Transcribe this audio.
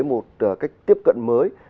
một cách tiếp cận mới